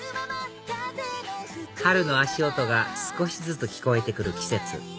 春の足音が少しずつ聞こえて来る季節